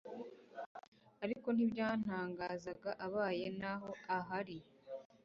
ariko ntibyantangaza abaye naho ahari